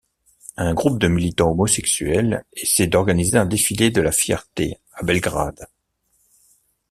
Un groupe de militants homosexuels essaie d'organiser un défilé de la fierté à Belgrade.